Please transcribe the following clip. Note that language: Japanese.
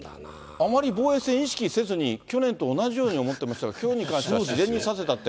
あまり防衛戦意識せずに、去年と同じように思ってましたが、きょうに関しては自然に指せたって。